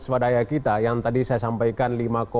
swadaya kita yang tadi saya sampaikan